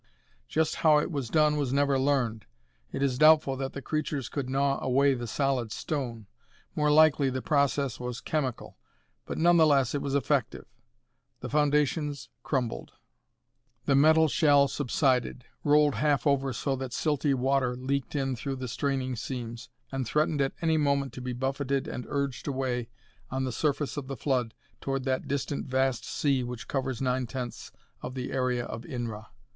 Just how it was done was never learned. It is doubtful that the creatures could gnaw away the solid stone more likely the process was chemical, but none the less it was effective. The foundations crumbled; the metal shell subsided, rolled half over so that silty water leaked in through the straining seams, and threatened at any moment to be buffeted and urged away on the surface of the flood toward that distant vast sea which covers nine tenths of the area of Inra.